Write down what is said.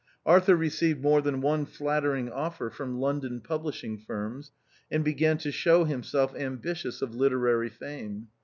Arthur received more than one nattering offer from London publishing firms, and began to show himself ambitious of literary fame.